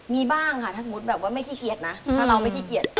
มีบ้างค่ะถ้าสมมุติแบบว่าไม่ขี้เกียจนะถ้าเราไม่ขี้เกียจ